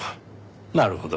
なるほど。